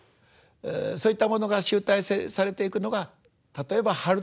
そういったものが集大成されていくのが例えば「春と修羅」。